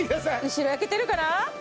後ろ焼けてるかな？